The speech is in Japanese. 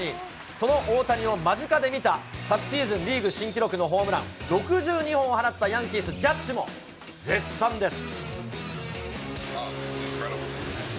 その大谷を間近で見た昨シーズンリーグ新記録のホームラン、６２本を放ったヤンキース、ジャッジも絶賛です。